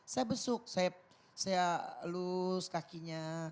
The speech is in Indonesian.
saya besuk saya lus kakinya